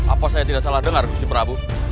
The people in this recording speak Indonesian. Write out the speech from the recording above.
apa saya tidak salah dengar visi prabu